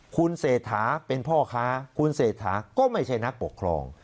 คุณเศรษฐาเป็นพ่อค้าคุณเศรษฐาก็ไม่ใช่นักปกครอง